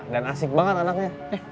dan asik banget anaknya